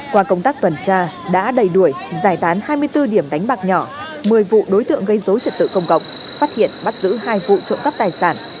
qua công tác tuần tra đã đầy đuổi giải tán hai mươi bốn điểm đánh bạc nhỏ một mươi vụ đối tượng gây dối trật tự công cộng phát hiện bắt giữ hai vụ trộm cắp tài sản